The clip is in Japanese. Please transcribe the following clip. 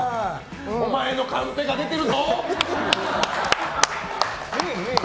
お前のカンペが出てるぞ。